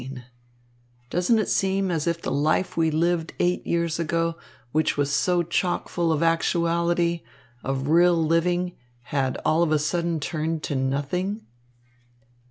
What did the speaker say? And doesn't it seem as if the life we lived eight years ago, which was so choke full of actuality, of real living, had all of a sudden turned to nothing?"